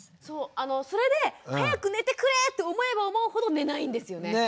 そうそれで早く寝てくれって思えば思うほど寝ないんですよね。